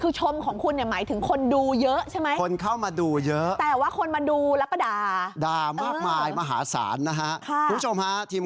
คือชมของคุณหมายถึงคนดูเยอะใช่ไหม